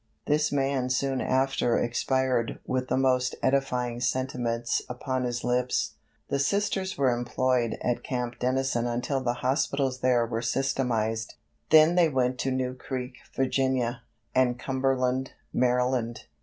This man soon after expired with the most edifying sentiments upon his lips. The Sisters were employed at Camp Dennison until the hospitals there were systematized; then they went to New Creek, Va., and Cumberland, Md.